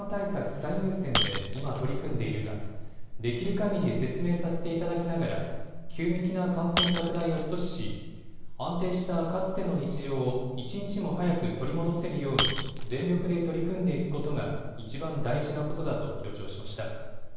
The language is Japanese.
最優先で今、取り組んでいるができるかぎり説明させていただきながら急激な感染拡大を阻止し安定したかつての日常を、一日も早く取り戻せるように全力で取り組んでいくことがいちばん大事なことだと強調しました。